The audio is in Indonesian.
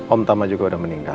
om tama juga udah meninggal